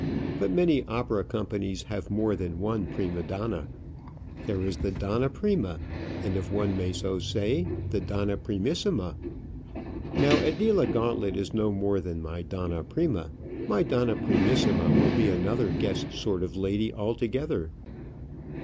But many opera companies have more than one prima donna. There is the donna prima, and if one may so say, the donna primissima. Now Adela Guantlet is no more than my donna prima. My donna primissima will be another guess sort of lady altogether.